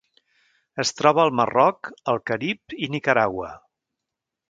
Es troba al Marroc, el Carib i Nicaragua.